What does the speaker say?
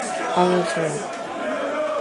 Teddy, dear, I wish I could!